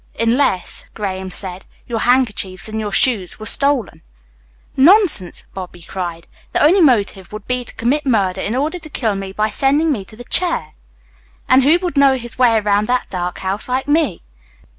"Unless," Graham said, "your handkerchief and your shoes were stolen." "Nonsense!" Bobby cried. "The only motive would be to commit a murder in order to kill me by sending me to the chair. And who would know his way around that dark house like me?